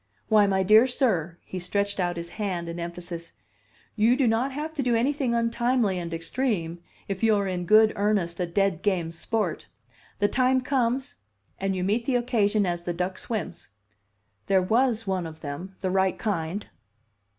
Why, my dear sir," he stretched out his hand in emphasis, "you do not have to do anything untimely and extreme if you are in good earnest a dead game sport. The time comes, and you meet the occasion as the duck swims. There was one of them the right kind."